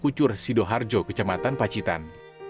pucur sido harjo kecamatan pacitan